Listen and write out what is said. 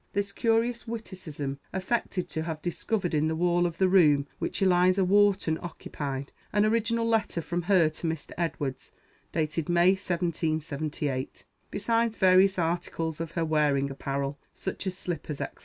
This curious witticism affected to have discovered in the wall of the room which "Eliza Wharton" occupied an original letter from her to Mr. Edwards, dated May, 1778, besides various articles of her wearing apparel, such as slippers, &c.